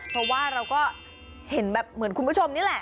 เพราะว่าเราก็เห็นแบบเหมือนคุณผู้ชมนี่แหละ